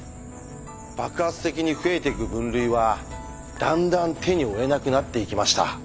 爆発的に増えていく分類はだんだん手に負えなくなっていきました。